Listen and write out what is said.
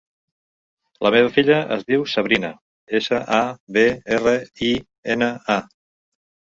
La meva filla es diu Sabrina: essa, a, be, erra, i, ena, a.